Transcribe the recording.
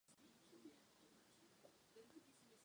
Dále je provincie známa výrobou koberců.